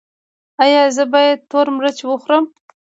ایا زه باید تور مرچ وخورم؟